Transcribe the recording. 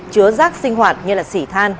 chứa rác sinh hoạt như sỉ than